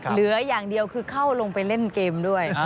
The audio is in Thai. เหลืออย่างเดียวคือเข้าลงไปเล่นเกมด้วย